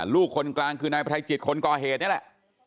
ลูกคนกลางคือนายไพรจิตคนก่อเหตุนี่แหละ